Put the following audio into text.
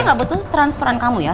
saya gak butuh transferan kamu ya